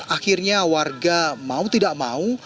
akhirnya warga mau tidak mau